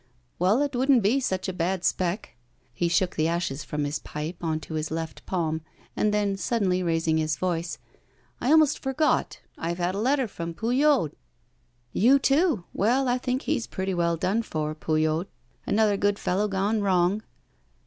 'Well, it wouldn't be such a bad spec.' He shook the ashes from his pipe on to his left palm, and then, suddenly raising his voice 'I almost forgot. I have had a letter from Pouillaud.' 'You, too! well, I think he's pretty well done for, Pouillaud. Another good fellow gone wrong.